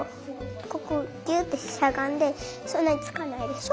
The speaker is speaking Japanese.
ここギュってしゃがんでそんなにつかないでしょ。